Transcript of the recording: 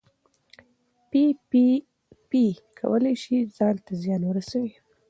پي پي پي کولی شي ځان ته زیان ورسوي.